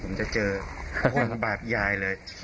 กลับมาก็เหนื่อย